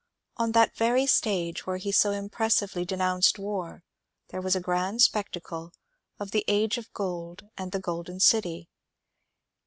On that very stage where he so impressively denounced war there was a grand spectacle of the ^^ Age of Gold, and the Golden City."